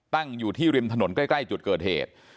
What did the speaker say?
ตั้งอยู่ที่ริมถนนใกล้จุดเกิดเหตุ